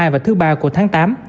và thứ ba của tháng tám